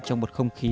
trong một không khí